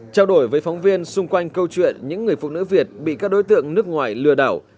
trao đổi với phóng viên xung quanh câu chuyện những người phụ nữ việt bị các đối tượng nước ngoài lừa đảo